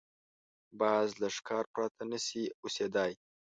باز له ښکار پرته نه شي اوسېدای